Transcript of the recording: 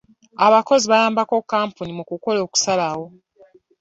Abakozi bayambako kkampuni mu kukola okusalawo.